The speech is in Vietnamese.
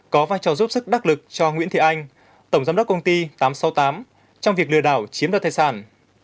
có vai trò giúp sức đắc lực cho nguyễn thị anh tổng giám đốc công ty tám trăm sáu mươi tám trong việc lừa đảo chiếm đoạt tài sản